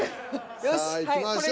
さあいきましょう。